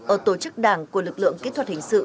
ở tổ chức đảng của lực lượng kỹ thuật hình sự